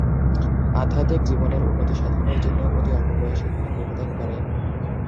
আধ্যাত্মিক জীবনের উন্নতি সাধনের জন্য অতি অল্প বয়সেই তিনি গৃহত্যাগ করেন।